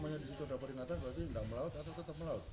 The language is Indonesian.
kalau di situ ada peringatan berarti tidak melaut atau tetap melaut